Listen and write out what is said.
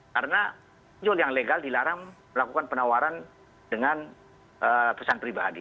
karena pinjol yang ilegal dilarang melakukan penawaran dengan pesan pribadi